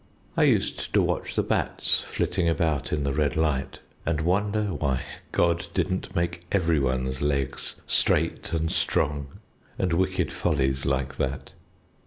I used to watch the bats flitting about in the red light, and wonder why God didn't make every one's legs straight and strong, and wicked follies like that.